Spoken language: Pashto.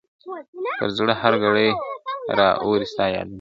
پر زړه هر گړی را اوري ستا یادونه ..